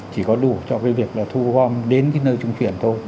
chỉ có đủ cho cái việc là thu gom đến cái nơi trung chuyển thôi